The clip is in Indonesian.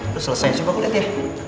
udah selesai coba aku liat ya